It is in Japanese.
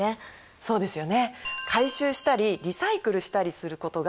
そうですね。